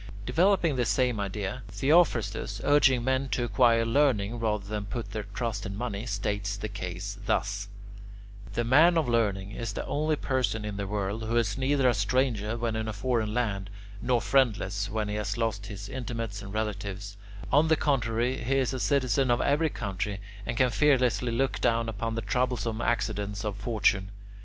Developing the same idea, Theophrastus, urging men to acquire learning rather than to put their trust in money, states the case thus: "The man of learning is the only person in the world who is neither a stranger when in a foreign land, nor friendless when he has lost his intimates and relatives; on the contrary, he is a citizen of every country, and can fearlessly look down upon the troublesome accidents of fortune.